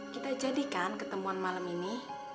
kita jadikan ketemuan malam ini